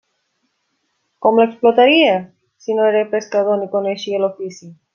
Com l'explotaria, si no era pescador ni coneixia l'ofici?